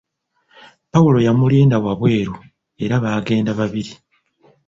Pawulo yamulinda wabweru era baagenda babiri.